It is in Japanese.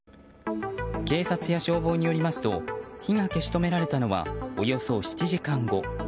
警察や消防によりますと火が消し止められたのはおよそ７時間後。